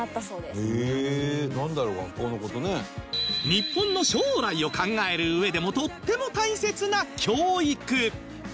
日本の将来を考える上でもとっても大切な教育